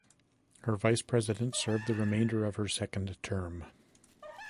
Her vice president served the remainder of her second term.